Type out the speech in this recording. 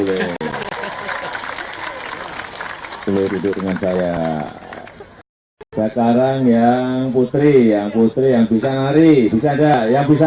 boleh duduk dengan saya bacaan yang putri yang putri yang bisa lari bisa ada yang bisa